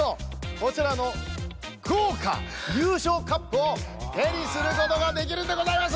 こちらのごうかゆうしょうカップをてにすることができるんでございます。